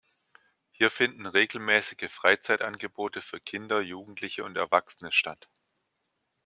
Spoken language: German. Hier finden regelmäßige Freizeitangebote für Kinder, Jugendliche und Erwachsene statt.